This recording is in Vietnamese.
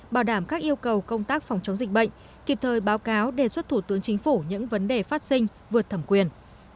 bảo đảm các yêu cầu công tác phòng chống dịch bệnh kịp thời báo cáo đề xuất thủ tướng chính phủ những vấn đề phát sinh vượt thẩm quyền